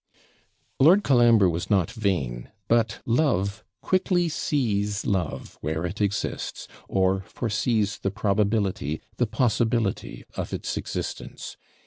Lord Colambre was not vain; but love quickly sees love where it exists, or foresees the probability, the possibility of its existence.